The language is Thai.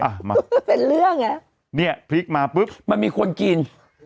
อ่ะมันก็เป็นเรื่องไงเนี่ยพลิกมาปุ๊บมันมีคนกิน